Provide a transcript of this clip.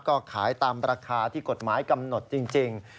ก็ขายตามราคาที่กฎหมายกำหนดจริง